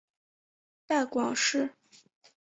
带广市